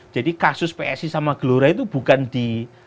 jadi kasus psi sama gelora itu bukan di